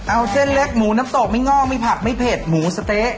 เอาเจนแรกหมูน้ำโต๊กไม่งอกผักไม่เผ็ดหมูสเต้